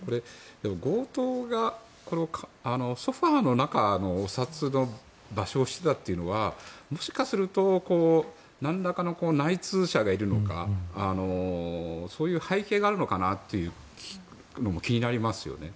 強盗がソファの中のお札の場所を知っていたというのはもしかするとなんらかの内通者がいるのかそういう背景があるのかなというのも気になりますよね。